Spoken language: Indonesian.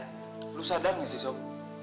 kamu sadar tidak sob